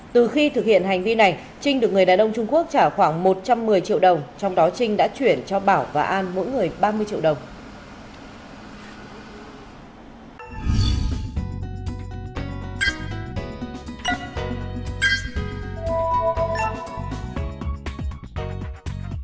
từ khi thực hiện hành vi này trinh được người đàn ông trung quốc trả khoảng một trăm một mươi triệu đồng trong đó trinh đã chuyển cho bảo và an mỗi người ba mươi triệu đồng